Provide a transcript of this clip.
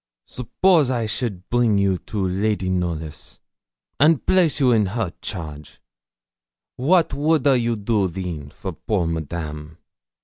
'Suppose I should bring you to Lady Knollys, and place you in her charge, what would a you do then for poor Madame?'